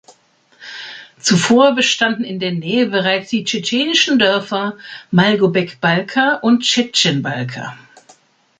Zuvor bestanden in der Nähe bereits die tschetschenischen Dörfer "Malgobek-Balka" und "Tschetschen-Balka".